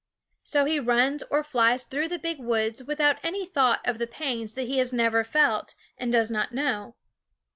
So he runs or flies through the big woods without any thought of the pains that he has never felt and does not know.